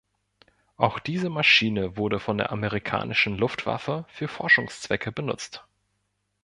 Auch diese Maschine wurde von der amerikanischen Luftwaffe für Forschungszwecke benutzt.